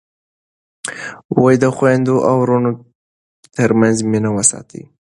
د خویندو او وروڼو ترمنځ مینه وساتئ.